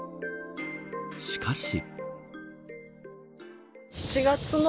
しかし。